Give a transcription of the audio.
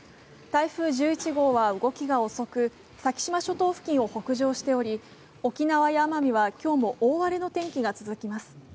台風１１号は動きが遅く、先島諸島付近を北上しており、沖縄や奄美は今日も大荒れの天気が続きます